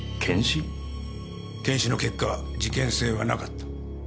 検視の結果事件性はなかった。